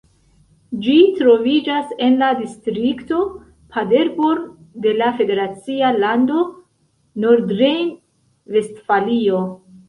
Ĝi troviĝas en la distrikto Paderborn de la federacia lando Nordrejn-Vestfalio.